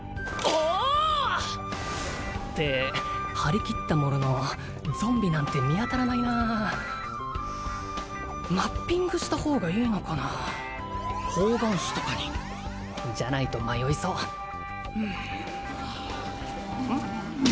お！って張り切ったもののゾンビなんて見当たらないなマッピングした方がいいのかな方眼紙とかにじゃないと迷いそううんうん？